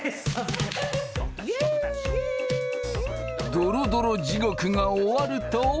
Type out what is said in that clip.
ドロドロ地獄が終わると。